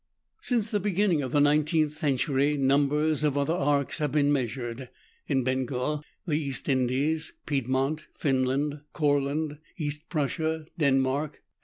Since the beginning of the 19th century numbers of other arcs have been measured, in Bengal, the East Indies, Pied mont, Finland, Courland, East Prussia, Denmark, &c.